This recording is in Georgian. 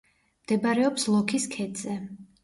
მდებარეობს ლოქის ქედზე.